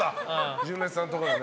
純烈さんのところでね。